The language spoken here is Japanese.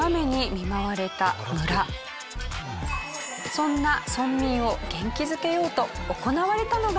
そんな村民を元気づけようと行われたのが。